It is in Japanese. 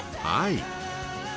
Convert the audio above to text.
はい。